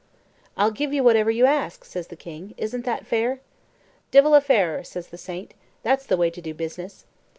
"I'll give you whatever you ask," says the king; "isn't that fair?" "Divil a fairer," says the saint; "that's the way to do business.